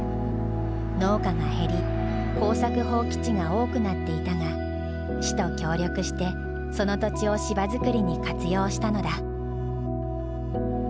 農家が減り耕作放棄地が多くなっていたが市と協力してその土地を芝作りに活用したのだ。